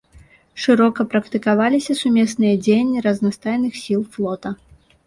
Шырока практыкаваліся сумесныя дзеянні разнастайных сіл флота.